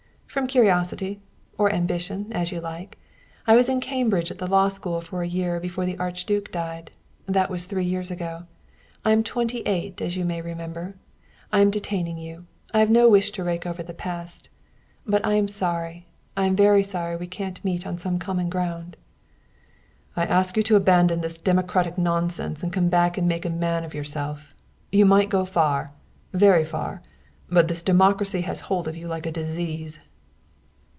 "From curiosity, or ambition, as you like. I was in Cambridge at the law school for a year before the Archduke died. That was three years ago. I am twenty eight, as you may remember. I am detaining you; I have no wish to rake over the past; but I am sorry I am very sorry we can't meet on some common ground." "I ask you to abandon this democratic nonsense and come back and make a man of yourself. You might go far very far; but this democracy has hold of you like a disease."